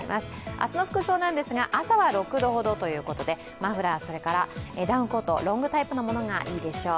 明日の服装なんですが朝は６度ほどということでマフラー、ダウンコート、ロングタイプのものがいいでしょう。